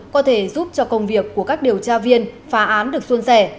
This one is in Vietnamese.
có thể giúp cho công việc của các điều tra viên phá án được xuân rẻ